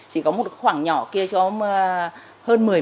chỉ có một khoảng nhỏ kia cho chúng tôi